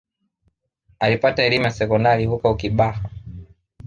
Alipata elimu ya sekondari huko Kibaha